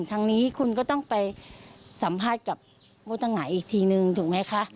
ทางนี้คุณก็ต้องไปสัมภาษณ์กับผู้ต้องหาอีกทีนึงถูกไหมคะ